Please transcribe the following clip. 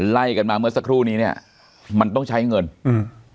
ไล่กันมาเมื่อสักครู่นี้เนี้ยมันต้องใช้เงินอืม